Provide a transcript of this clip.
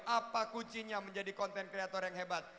apa kuncinya menjadi content creator yang hebat